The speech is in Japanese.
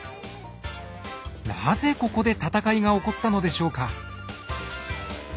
なぜここで戦いが起こったのでしょうか？